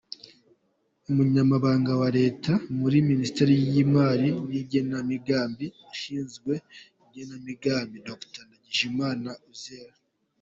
Umunyamabanga wa Leta muri Minisiteri y’Imari n’Igenamigambi ushinzwe igenamigambi: Dr Ndagijimana Uzziel.